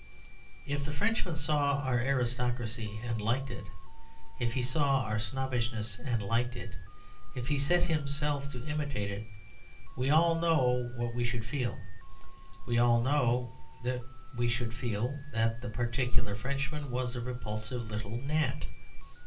If the Frenchman saw our aristocracy and liked it, if he saw our snobbishness and liked it, if he set himself to imitate it, we all know what we should feel. We all know that we should feel that that particular Frenchman was a repulsive little gnat.